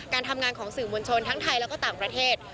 การทำงานของสื่อมวลชนทั้งไทยแล้วก็ต่างประเทศ